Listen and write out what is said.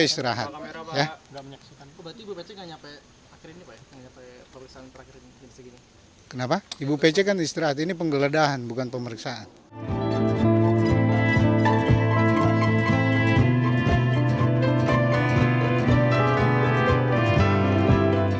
kisah kisah yang terjadi di indonesia